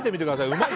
うまい！